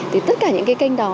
thì tất cả những cái kênh đó